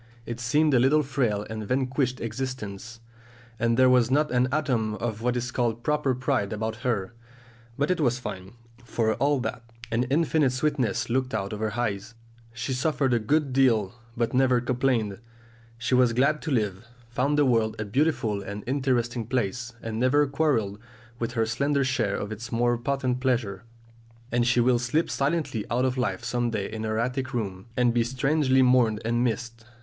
It seemed a little frail and vanquished existence, and there was not an atom of what is called proper pride about her; but it was fine, for all that! An infinite sweetness looked out of her eyes; she suffered a good deal, but never complained. She was glad to live, found the world a beautiful and interesting place, and never quarrelled with her slender share of its more potent pleasures. And she will slip silently out of life some day in her attic room; and be strangely mourned and missed.